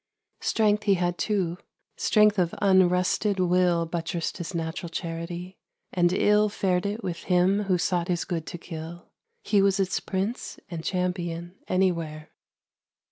Strength he had, too; strength of unrusted will Buttressed his natural charity, and ill Fared it with him who sought his good to kill: He was its Prince and Champion anywhere.